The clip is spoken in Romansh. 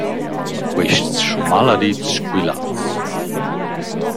Quists schmaladits squilats.